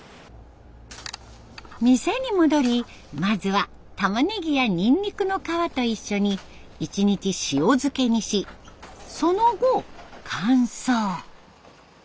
店に戻りまずはたまねぎやにんにくの皮と一緒に１日塩漬けにしその後乾燥。